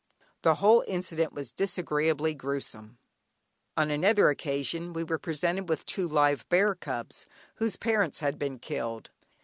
The whole incident was disagreeably gruesome. On another occasion we were presented with two live bear cubs, whose parents had been killed.